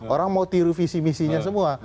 orang mau tiru visi misinya semua